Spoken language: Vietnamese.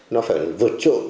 nó phải vượt trội